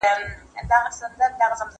زه هره ورځ ليکنه کوم؟!